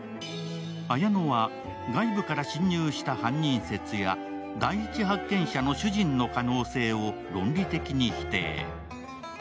あやのは外部から侵入した犯人説や第一発見者の主人の可能性を論理的に否定。